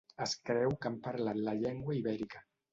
Es creu que han parlat la llengua ibèrica.